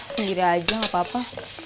sendiri aja gak apa apa